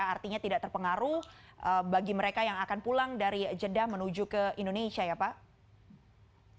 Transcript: artinya tidak terpengaruh bagi mereka yang akan pulang dari jeddah menuju ke indonesia ya pak